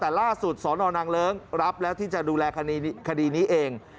แต่ล่าสุดสนนางเลิ้งรับแล้วที่จะดูแลคดีนี้เอง